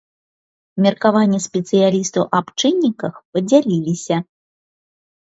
Меркаванні спецыялістаў аб чынніках падзяліліся.